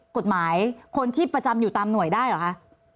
กฎหมายคนที่ประจำอยู่ตามหน่วยได้เหรอคะ